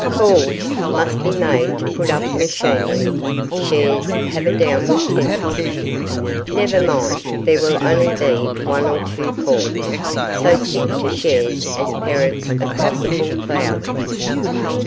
Calls must be made to put up machinery; shares have a downward tendency. Never mind, there will only be one or two calls, so stick to shares as parents of possible thousands.